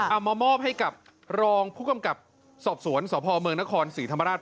เอามามอบให้กับรองผู้กำกับสอบสวนสพเมืองนครศรีธรรมราช